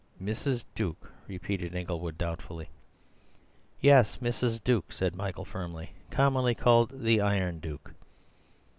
"Mrs. Duke?" repeated Inglewood doubtfully. "Yes, Mrs. Duke," said Michael firmly, "commonly called the Iron Duke."